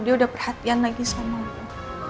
dia udah perhatian lagi sama aku